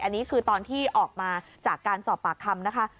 อันนี้คือตอนที่ออกมาจากการสอบปากคำนะคะ